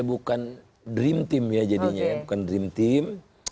ya bukan dream team ya jadinya bukan dream team